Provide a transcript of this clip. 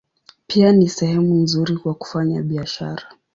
Pia ni sehemu nzuri kwa kufanya biashara.